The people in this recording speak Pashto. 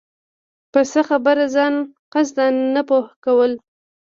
په څۀ خبره ځان قصداً نۀ پوهه كول